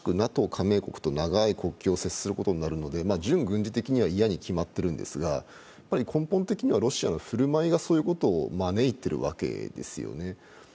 ＮＡＴＯ加盟国と長い国境を接することになるので軍事的には嫌なことになるんですが、根本的にはロシアの振る舞いがそういうことを招いているわけですよね。